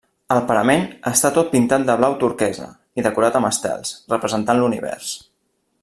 El parament està tot pintat de blau turquesa i decorat amb estels, representant l'univers.